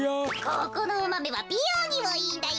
ここのおマメはびようにもいいんだよ。